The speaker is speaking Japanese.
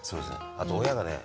あと親がね